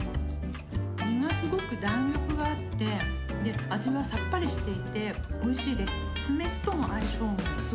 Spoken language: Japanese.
身はすごく弾力があって、味はさっぱりしていておいしいです。